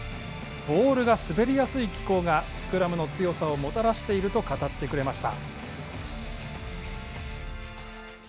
ボールが滑りやすい気候がスクラムの強さをもたらしていると語ってくれました。